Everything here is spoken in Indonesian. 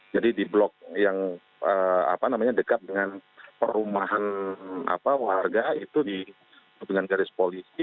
jadi di blok yang dekat dengan perumahan warga itu dengan garis polisi